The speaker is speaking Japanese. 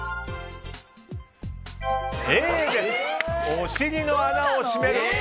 お尻の穴を締める。